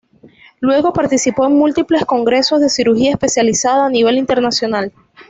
Luego participó en múltiples congresos de cirugía especializada a nivel internacional.